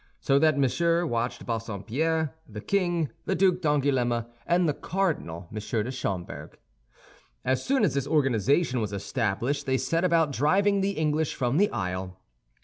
So that Monsieur watched Bassompierre; the king, the Duc d'Angoulême; and the cardinal, M. de Schomberg. As soon as this organization was established, they set about driving the English from the Isle.